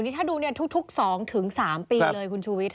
ถ้าดูเนี่ยทุก๒๓ปีเลยคุณชูวิท